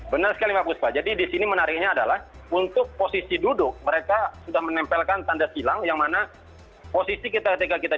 benar sekali pak buspa jadi di sini menariknya adalah untuk posisi duduk mereka sudah menempelkan tanda silang yang mana posisi kita ketika kita berada di sana